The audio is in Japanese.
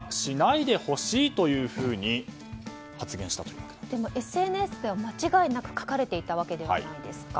ゆがんだ解釈はしないでほしいというふうにＳＮＳでは間違いなく書かれていたわけじゃないですか。